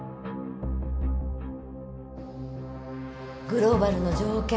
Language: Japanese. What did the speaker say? グローバルの条件